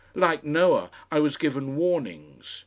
Like Noah I was given warnings.